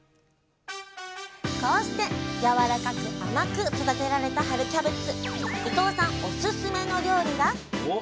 こうしてやわらかく甘く育てられた春キャベツ